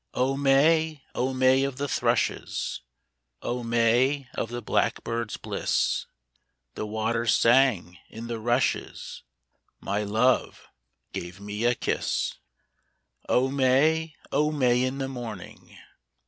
O May, O May of the thrushes ! O May of the blackbirds' bliss ! The water sang in the rushes, My love gave me a kiss. O May, O May in the morning